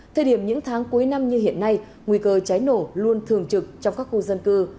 thời điểm những tháng cuối năm như hiện nay nguy cơ cháy nổ luôn thường trực trong các khu dân cư